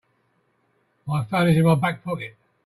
My phone is in my back pocket.